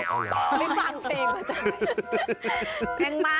อันนั้นแม่งมุ้งไม่ฟังเพลงหัวใจ